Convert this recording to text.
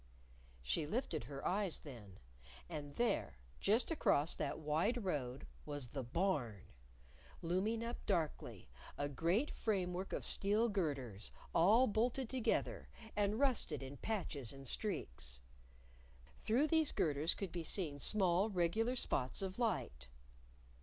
She lifted her eyes then. And there, just across that wide road, was the Barn! looming up darkly, a great framework of steel girders, all bolted together, and rusted in patches and streaks. Through these girders could be seen small regular spots of light.